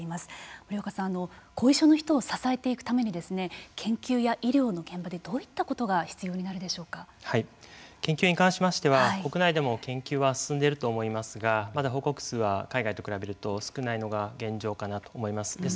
森岡さん、後遺症の人を支えていくために研究や医療の現場でどういったことが研究に関しましては国内でも研究は進んでいると思いますがまだ報告数は海外と比べると少ないのが現状かなと思います。